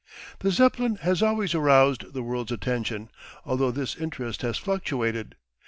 The Zeppelin has always aroused the world's attention, although this interest has fluctuated.